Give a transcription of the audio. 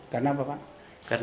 karena apa pak